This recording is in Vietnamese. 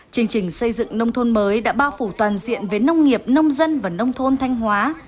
chương trình xây dựng nông thôn mới đã bao phủ toàn diện với nông nghiệp nông dân và nông thôn thanh hóa